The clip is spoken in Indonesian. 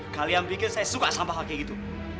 kalian pikir saya suka sampah kayak gitu